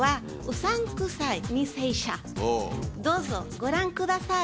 どうぞご覧ください。